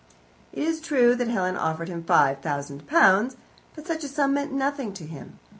It is true that Helen offered him five thousands pounds, but such a sum meant nothing to him.